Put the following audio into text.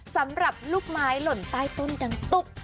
สำหรับลูกไม้หล่นใต้ต้นดังตุ๊บ